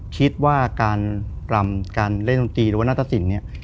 คิดว่าการรำการเล่นดนตรีหรือว่านาตสินเนี่ย